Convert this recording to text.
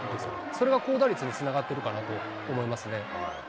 それが高打率につながっているかなと思いますね。